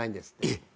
えっ！？